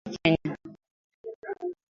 ina lala katika mpaka wa nchi ya uganda na kenya